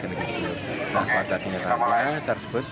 nah pada ternyata acara tersebut